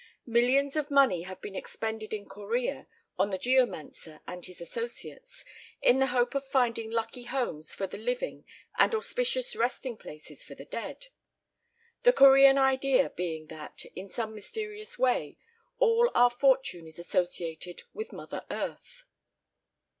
Millions of money have been expended in Korea on the geomancer and his associates in the hope of finding lucky homes for the living and auspicious resting places for the dead, the Korean idea being that, in some mysterious way, all our fortune is associated with Mother Earth.